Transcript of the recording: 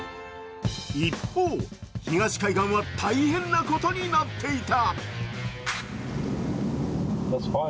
一方、東海岸は大変なことになっていた。